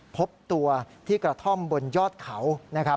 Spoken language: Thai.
พบตัวที่กระท่อมบนยอดเขา